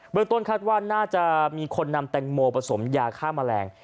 เมืองต้นคาดว่าน่าจะมีคนนำแตงโมผสมยาฆ่าแมลง